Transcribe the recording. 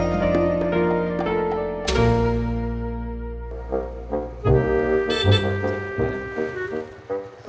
sampai jumpa di video selanjutnya